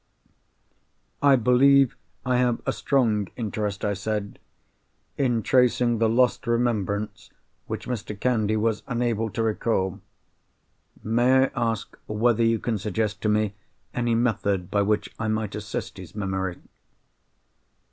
"I believe I have a strong interest," I said, "in tracing the lost remembrance which Mr. Candy was unable to recall. May I ask whether you can suggest to me any method by which I might assist his memory?"